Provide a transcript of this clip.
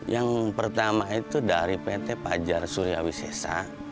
yang pertama itu dari pt pajar suryawisesa sama pt pindu deli